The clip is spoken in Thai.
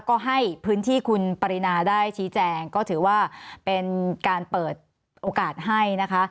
ก็ให้พื้นที่คุณปรินาได้ชี้แจงก็ถือว่าเป็นการเปิดโอกาสให้นะคะ